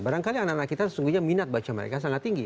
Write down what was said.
barangkali anak anak kita sesungguhnya minat baca mereka sangat tinggi